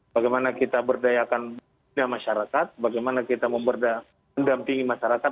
bagaimana kita berdayakan masyarakat bagaimana kita mendampingi masyarakat